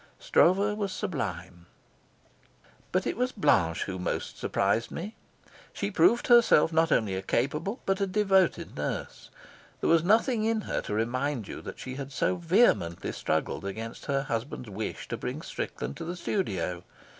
Stroeve was sublime. But it was Blanche who most surprised me. She proved herself not only a capable, but a devoted nurse. There was nothing in her to remind you that she had so vehemently struggled against her husband's wish to bring Strickland to the studio.